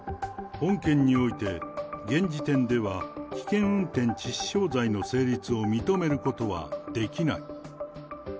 本件において、現時点では、危険運転致死傷罪の成立を認めることはできない。